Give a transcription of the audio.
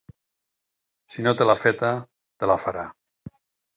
Si no te l'ha feta te la farà.